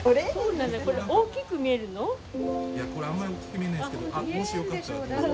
これあんまり大きく見えないですけどもしよかったらどうぞ。